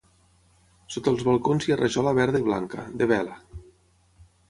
Sota els balcons hi ha rajola verda i blanca, de vela.